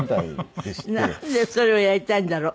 なんでそれをやりたいんだろう？